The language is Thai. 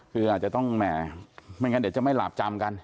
คืออาจจะต้องแหมไม่งั้นเดี๋ยวจะไม่หลาบจำกัน